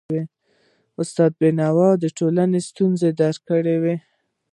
استاد بينوا د ټولنې ستونزي درک کړی وي.